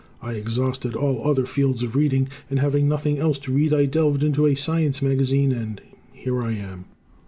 I exhausted all other fields of reading, and having nothing else to read I delved into a science magazine and here I am.